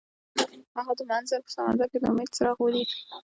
هغه د منظر په سمندر کې د امید څراغ ولید.